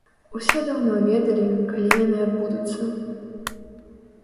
Усе даўно ведалі, калі яны адбудуцца.